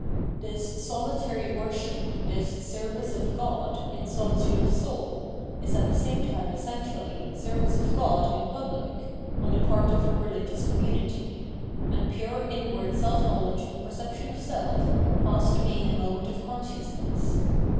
This solitary worship, this " service of God " in soli tude of soul, is at the same time essentially " service of God" in public, on the part of a religious community ; and pure inward self knowledge and perception of self pass to being a moment of consciousness.